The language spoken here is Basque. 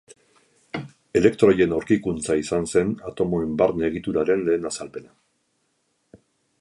Elektroien aurkikuntza izan zen atomoen barne egituraren lehen azalpena.